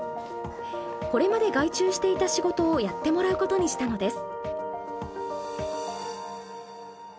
これまで外注していた仕事をやってもらうことにしたのです。